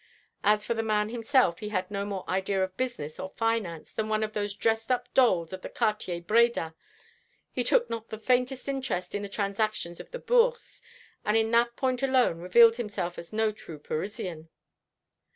As for the man himself, he had no more idea of business or finance than one of those dressed up dolls of the Quartier Bréda. He took not the faintest interest in the transactions of the Bourse, and in that point alone revealed himself as no true Parisian."